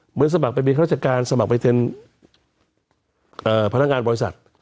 เหมือนสมัครเป็นบริษัทธิการสมัครเป็นพนักงานบริษัท